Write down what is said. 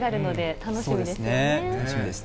楽しみですね。